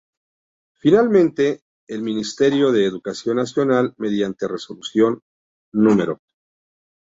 Finalmente, El Ministerio de Educación Nacional, mediante Resolución No.